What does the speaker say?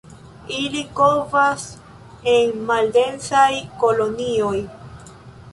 Ili kovas en maldensaj kolonioj.